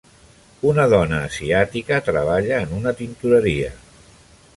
Una dona asiàtica treballa en una tintoreria.